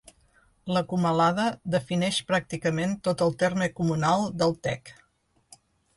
La Comalada defineix pràcticament tot el terme comunal del Tec.